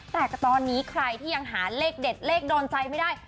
แต่ตอนนี้ใครที่ยังหาเลขเด็ดเลขโดนใจไม่ได้